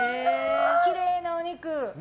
きれいなお肉。